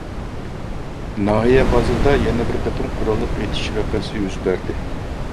ناھىيە بازىرىدا يەنە بىر قېتىم قوراللىق ئېتىش ۋەقەسى يۈز بەردى.